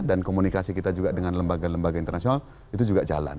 dan komunikasi kita juga dengan lembaga lembaga internasional itu juga jalan